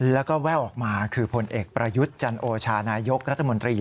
แล้วก็แว่วออกมาคือผลเอกประยุทธ์จันโอชานายกรัฐมนตรี